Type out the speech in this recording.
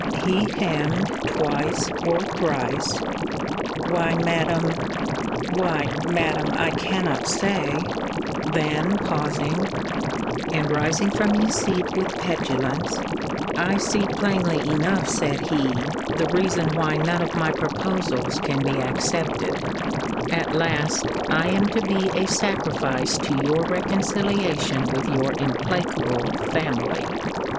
He hemm'd twice or thrice Why, Madam why, Madam, I cannot say then pausing and rising from his seat with petulance; I see plainly enough, said he, the reason why none of my proposals can be accepted: at last I am to be a sacrifice to your reconciliation with your implacable family.